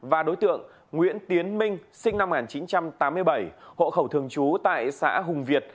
và đối tượng nguyễn tiến minh sinh năm một nghìn chín trăm tám mươi bảy hộ khẩu thường trú tại xã hùng việt